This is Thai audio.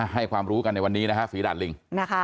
ให้ความรู้กันในวันนี้นะฮะฝีดาดลิง